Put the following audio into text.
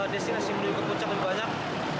destinasi menuju ke puncak lebih banyak